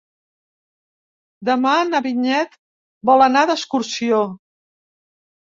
Demà na Vinyet vol anar d'excursió.